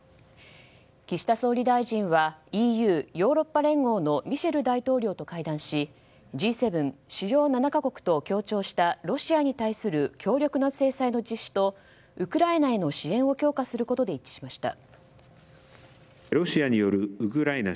岸田総理大臣はＥＵ・ヨーロッパ連合のミシェル大統領らと会談しＧ７・主要７か国と協調したロシアに対する強力な制裁の実施とウクライナへの支援を強化することで一致しました。